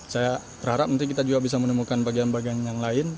saya berharap nanti kita juga bisa menemukan bagian bagian yang lain